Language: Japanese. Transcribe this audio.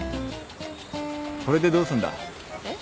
これでどうすんだ？えっ？